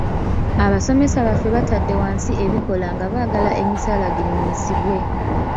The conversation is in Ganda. Abasomesa baffe baatadde wansi ebikola nga baagala emisaala girinnyisibwe.